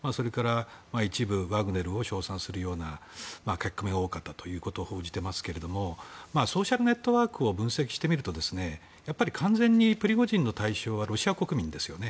一部ワグネルを称賛するような反応が多かったと報じていますがソーシャルネットワークを分析してみると完全にプリゴジンの対象はロシア国民ですよね。